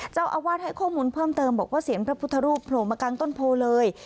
เจ้าอาวาสให้ข้อมูลเพิ่มเติมบอกว่าเสียงพระพุทธรูปโผล่มากลางต้นโพเลย